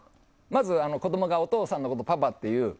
まず子供がお父さんのことをパパって言う。